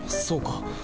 そうか。